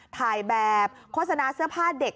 ถ่ายแบบโฆษณาเสื้อผ้าเด็ก